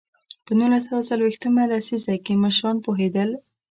په نولس سوه څلوېښت مه لسیزه کې مشران پوهېدل.